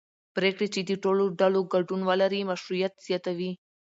پرېکړې چې د ټولو ډلو ګډون ولري مشروعیت زیاتوي